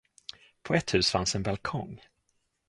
På ett hus fanns en balkong.